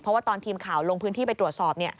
เพราะว่าตอนทีมข่าวลงพื้นที่ไปตรวจสอบ